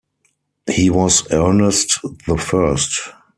He was Ernest the First.